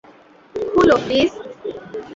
খুলো, প্লিজ!